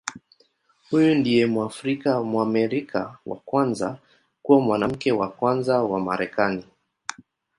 Huyu ndiye Mwafrika-Mwamerika wa kwanza kuwa Mwanamke wa Kwanza wa Marekani.